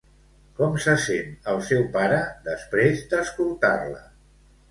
Com se sent el seu pare després d'escoltar-la?